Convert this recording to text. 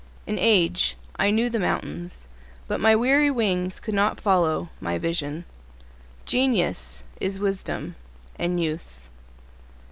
In age I knew the mountains But my weary wings could not follow my vision— Genius is wisdom and youth.